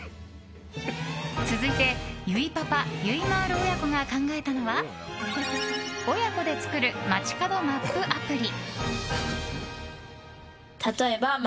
続いてユイパパ、ゆいまーる親子が考えたのは親子で作る街角マップアプリ。